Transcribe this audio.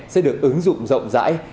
sẽ được ứng dụng rộng rãi